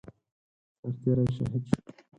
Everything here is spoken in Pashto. سرتيری شهید شو